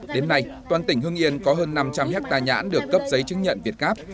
đến nay toàn tỉnh hưng yên có hơn năm trăm linh hectare nhãn được cấp giấy chứng nhận việt gáp